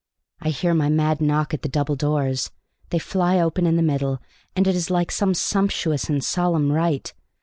I hear my mad knock at the double doors; they fly open in the middle, and it is like some sumptuous and solemn rite.